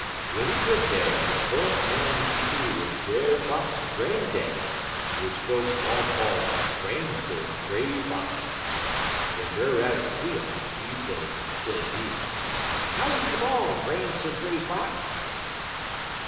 "W'en he git dar, de fus' man he see wuz Brer Fox gran'daddy, w'ich folks all call 'im Gran'sir' Gray Fox. W'en Brer Rabbit see 'im, he say, sezee: "'How you come on, Gran'sir' Gray Fox?'